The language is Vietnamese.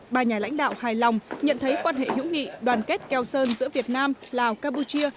ba nhà lãnh đạo hài lòng nhận thấy quan hệ hữu nghị đoàn kết keo sơn giữa việt nam lào campuchia